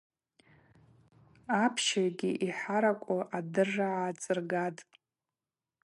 Апщыгӏвгьи йхӏаракӏу адырраква гӏацӏыргатӏ.